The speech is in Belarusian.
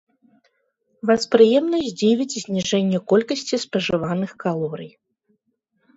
Вас прыемна здзівіць зніжэнне колькасці спажываных калорый.